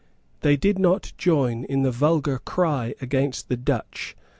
They did not join in the vulgar cry against the Dutch.